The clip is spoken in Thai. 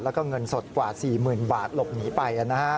แล้วก็เงินสดกว่า๔๐๐๐บาทหลบหนีไป